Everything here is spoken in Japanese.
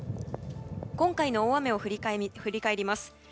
今回の大雨を振り返ります。